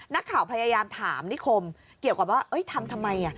นักข่าวพยายามถามนิคมเกี่ยวกับว่าทำทำไม